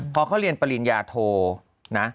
พอเขาเรียนปริญญาโทนะ